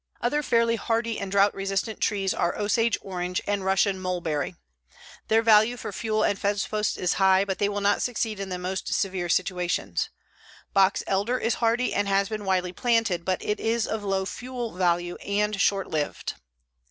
Other fairly hardy and drought resistant trees are osage orange and Russian mulberry. Their value for fuel and fence posts is high, but they will not succeed in the most severe situations. Box elder is hardy and has been widely planted, but it is of low fuel value and short lived.